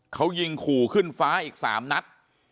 เขายิงขู่ขึ้นฟ้าอีก๓นัด